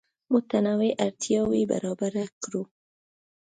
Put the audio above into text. متنوع اړتیاوې برابر کړو.